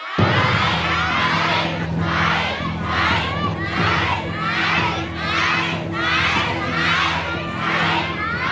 ใช้ครับ